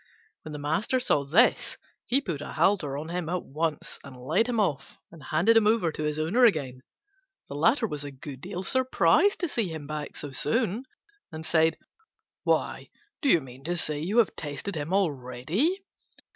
When the master saw this he put a halter on him at once, and led him off and handed him over to his owner again. The latter was a good deal surprised to see him back so soon, and said, "Why, do you mean to say you have tested him already?"